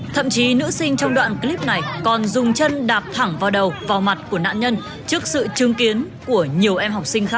thậm chí nữ sinh trong đoạn clip này còn dùng chân đạp thẳng vào đầu vào mặt của nạn nhân trước sự chứng kiến của nhiều em học sinh khác